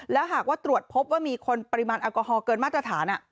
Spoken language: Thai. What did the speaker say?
แล้วหากว่าตรวจพบว่ามีคนปริมาณแอลกอฮอลเกินมาตรฐาน